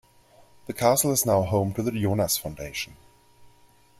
The castle is now home to the Jonas-Foundation.